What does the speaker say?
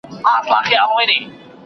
زه کالي وچولي دي!